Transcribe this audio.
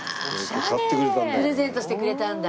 オシャレ！プレゼントしてくれたんだ。